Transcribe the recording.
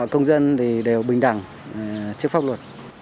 tất cả các công dân thì đều bình đẳng trước pháp luật